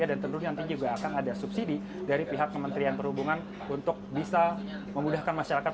dan tentunya nanti juga akan ada subsidi dari pihak kementerian perhubungan untuk bisa memudahkan masyarakat